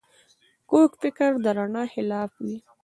کوږ فکر د رڼا خلاف وي